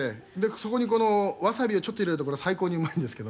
そこにわさびをちょっと入れるとこれ最高にうまいんですけども」